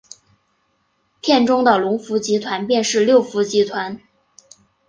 片中的龙福集团便是六福集团。